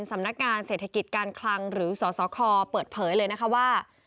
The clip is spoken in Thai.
สำนักงานเศรษฐกิจการคลังหรือสสคเปิดเผยเลยนะคะว่า